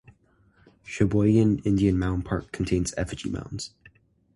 Sheboygan Indian Mound Park contains effigy mounds.